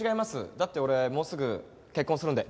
だって俺もうすぐ結婚するんで。